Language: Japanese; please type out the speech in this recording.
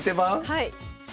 はい。